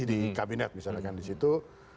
di kabinet misalkan disitu